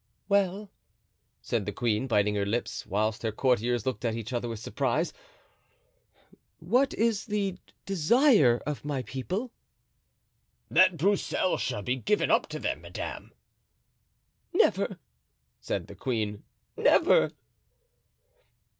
"Well," said the queen, biting her lips, whilst her courtiers looked at each other with surprise, "what is the desire of my people?" "That Broussel shall be given up to them, madame." "Never!" said the queen, "never!"